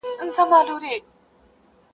زه له هغه ښاره راغلم چي ملاله یې ګونګۍ ده -